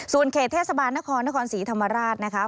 ส่วนเขตเทศบาลนครนครศรีธรรมราชนะคะ